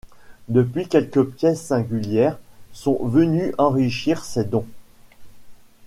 Depuis, quelques pièces singulières sont venues enrichir ces dons.